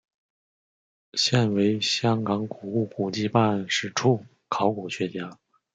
现为香港古物古迹办事处考古学家。